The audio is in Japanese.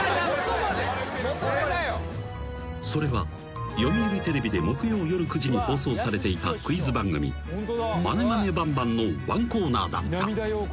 ［それは讀賣テレビで木曜夜９時に放送されていたクイズ番組『まねまねバンバン』のワンコーナーだった］